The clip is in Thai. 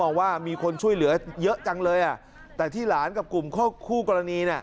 มองว่ามีคนช่วยเหลือเยอะจังเลยแต่ที่หลานกับกลุ่มเข้าคู่กรณี